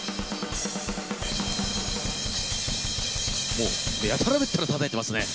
もうやたらめったらたたいてますね。